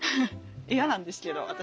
嫌なんですけど私。